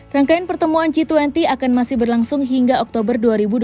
rangkaian pertemuan g dua puluh akan masih berlangsung hingga oktober dua ribu dua puluh